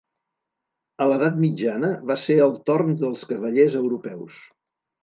A l'edat mitjana, va ser el torn dels cavallers europeus.